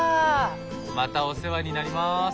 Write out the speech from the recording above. またお世話になります。